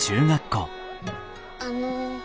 あの。